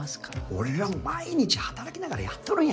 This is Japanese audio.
俺らも毎日働きながらやっとるんやて。